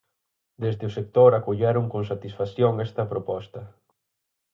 Desde o sector acolleron con satisfacción esta proposta.